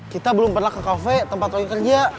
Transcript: kita belum pernah ke kafe tempat oil kerja